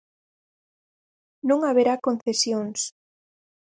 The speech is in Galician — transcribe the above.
Non haberá concesións.